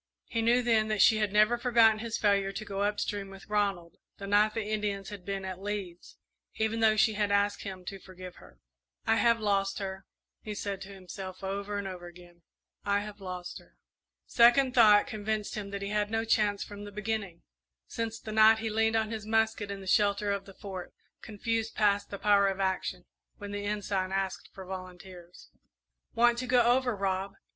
He knew then that she had never forgotten his failure to go up stream with Ronald the night the Indians had been at Lee's, even though she had asked him to forgive her. "I have lost her," he said to himself, over and over again, "I have lost her." Second thought convinced him that he had had no chance from the beginning since the night he leaned on his musket in the shelter of the Fort; confused past the power of action, when the Ensign asked for volunteers. "Want to go over, Rob?"